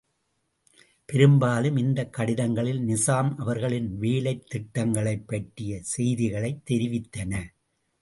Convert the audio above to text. பெரும்பாலும், இந்தக் கடிதங்களில் நிசாம் அவர்களின் வேலைத் திட்டங்களைப் பற்றிய செய்திகளைத் தெரிவித்தன.